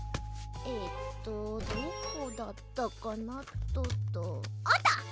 えっとどこだったかなっとあった！